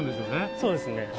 そうですね。